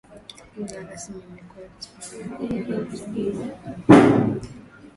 lugha rasmi imekuwa Kihispania hadi leo Lakini kuna Waindio wengi